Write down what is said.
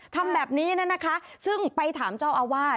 ทำแบบนี้นะคะซึ่งไปถามเจ้าอาวาส